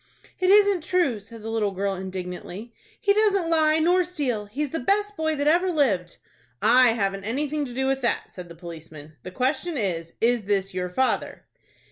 "It isn't true," said the little girl, indignantly. "He doesn't lie nor steal. He's the best boy that ever lived." "I haven't anything to do with that," said the policeman. "The question is, is this your father?"